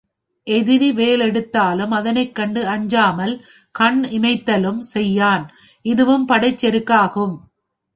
எதிரி வேல் எடுத்தாலும் அதனைக் கண்டு அஞ்சாமல் கண் இமைத்தலும் செய்யான் இதுவும் படைச்செருக்கு ஆகும்.